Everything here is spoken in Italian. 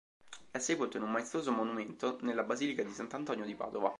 È sepolto in un maestoso monumento nella basilica di Sant'Antonio di Padova.